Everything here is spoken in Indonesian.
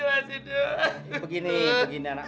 bukan begitu pak